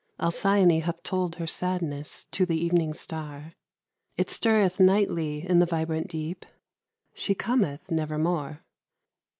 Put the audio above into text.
Alcyone Hath told her sadness to the evening star. It stirreth nightly in the vibrant deep : She cometh nevermore.